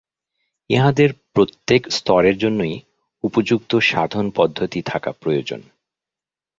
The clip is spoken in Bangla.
ইহাদের প্রত্যেক স্তরের জন্যই উপযুক্ত সাধন-পদ্ধতি থাকা প্রয়োজন।